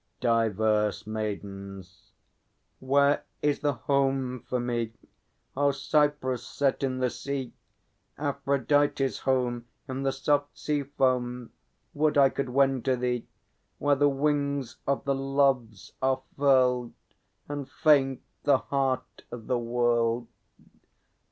Divers Maidens. Where is the Home for me? O Cyprus, set in the sea, Aphrodite's home In the soft sea foam, Would I could wend to thee; Where the wings of the Loves are furled, And faint the heart of the world.